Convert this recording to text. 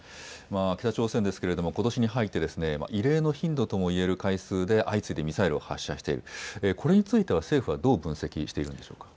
北朝鮮、ことしに入って異例の頻度ともいえる回数で相次いでミサイルを発射している、これについて政府はどう分析しているんでしょうか。